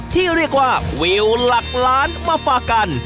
ที่เรียกว่าวิวหลักล้านมาฝากกัน